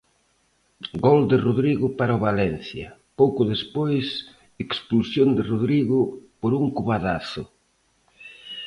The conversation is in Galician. Gol de Rodrigo para o Valencia; pouco despois, expulsión de Rodrigo por un cobadazo.